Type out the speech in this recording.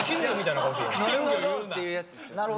「なるほど！」っていうやつですよ。